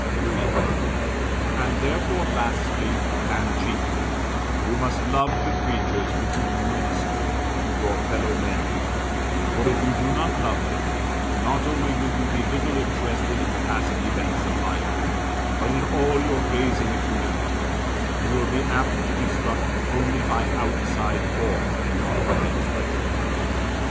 III. And therefore, lastly, and chiefly, you must love the creatures to whom you minister, your fellow men; for, if you do not love them, not only will you be little interested in the passing events of life, but in all your gazing at humanity, you will be apt to be struck only by outside form, and not by expression.